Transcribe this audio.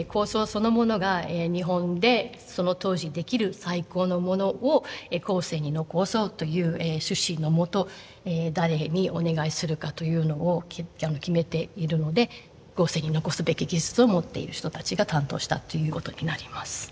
そのものが日本でその当時できる最高のものを後世に残そうという趣旨のもと誰にお願いするかというのを決めているので後世に残すべき技術を持っている人たちが担当したということになります。